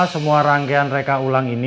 semua rangkaian reka ulang ini